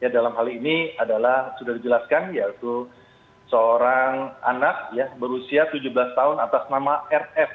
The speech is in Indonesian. dalam hal ini adalah sudah dijelaskan yaitu seorang anak berusia tujuh belas tahun atas nama rf